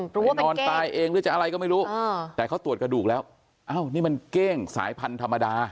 ไปนอนตายเองหรือจะอะไรก็ไม่รู้แต่เขาตรวจกระดูกแล้วอ้าวนี่มันเก้งสายพันธุ์ธรรมดา